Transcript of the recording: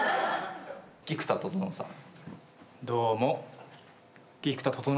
菊田整さん。